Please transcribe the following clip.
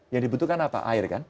yang dibutuhkan apa air kan